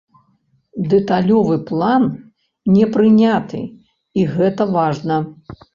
Дэталёвы план не прыняты, і гэта важна.